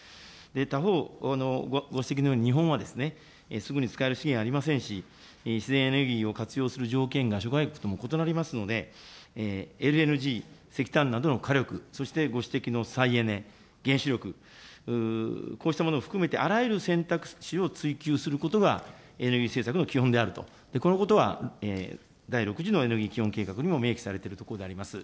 他方、ご指摘のように、日本はすぐに使える資源はありませんし、自然エネルギーを活用する条件が諸外国とも異なりますので、ＬＮＧ、石炭などの火力、そして、ご指摘の再エネ、原子力、こうしたものを含めて、あらゆる選択肢を追究することがエネルギー政策の基本であると、このことは第６次のエネルギー計画にも明記されているところであります。